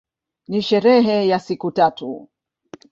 Ni sherehe ya siku tatu.